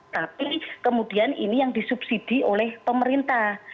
tapi kemudian ini yang disubsidi oleh pemerintah